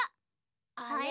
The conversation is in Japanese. あれ？